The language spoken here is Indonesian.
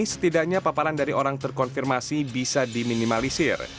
setidaknya paparan dari orang terkonfirmasi bisa diminimalisir